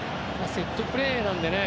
セットプレーなのでね